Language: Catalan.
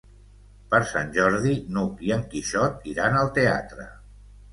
Per Sant Jordi n'Hug i en Quixot iran al teatre.